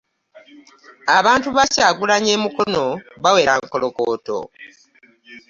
Abantu ba Kyagulanyi e Mukono bawera nkolokooto.